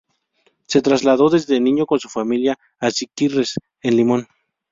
Se trasladó desde niño con su familia a Siquirres, en Limón.